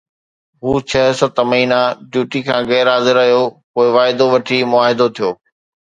هو ڇهه ست مهينا ڊيوٽي کان غير حاضر رهيو، پوءِ واعدو وٺي معاهدو ٿيو.